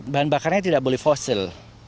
bahan bakarnya tidak boleh fosil